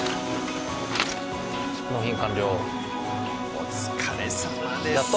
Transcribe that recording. お疲れさまです。